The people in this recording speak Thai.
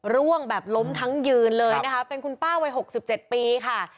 ร่วงแบบล้มทั้งยืนเลยนะคะเป็นคุณป้าวัย๖๗ปีค่ะ